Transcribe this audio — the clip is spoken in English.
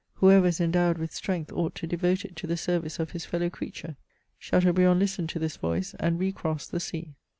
Whoever is endowed with strength ought to devote it to the service of his fellow creature." Chateaubriand listened to this voice, and recrossed the sea.